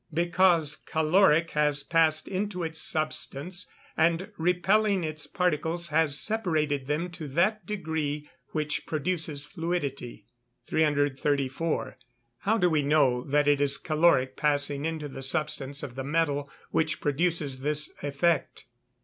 _ Because caloric has passed into its substance, and, repelling its particles, has separated them to that degree which produces fluidity. 334. _How do we know that it is caloric passing into the substance of the metal which produces this effect?